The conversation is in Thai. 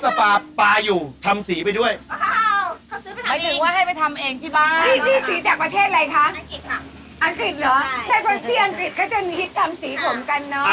ถ้าเป็นเชี่ยงอังกฤษก็จะมีฮิตทำสีผมกันเนอะ